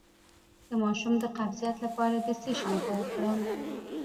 د ماشوم د قبضیت لپاره د څه شي اوبه ورکړم؟